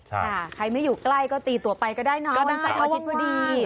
ใช่ใครไม่อยู่ใกล้ก็ตีตัวไปก็ได้นะวันเสาร์ทะวังว่าดี